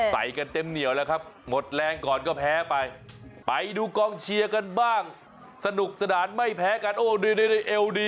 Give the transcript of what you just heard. ใส่กันเต็มเหนียวแล้วครับหมดแรงก่อนก็แพ้ไป